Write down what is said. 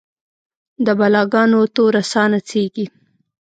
د بلا ګانو توره ساه نڅیږې